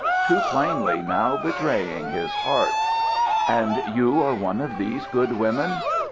too plainly now betraying his heart. "And you are one of these good women?"